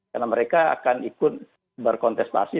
karena mereka akan ikut berkontestasi